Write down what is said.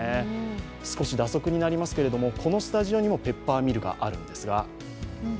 少し蛇足になりますけれども、このスタジオにもペッパーミルがあるんですが。